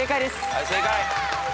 はい正解。